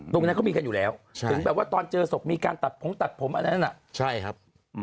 ตรงนั้นเขามีกันอยู่แล้วถึงแบบว่าตอนเจอศพมีการตัดผมตัดผมอันนั้นน่ะใช่ครับ